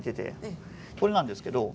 これなんですけど。